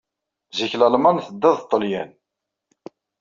Zik Lalman tedda d Ṭṭelyan.